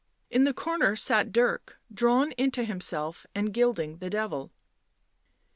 In the corner sat Dirk, drawm into himself and gilding the devil.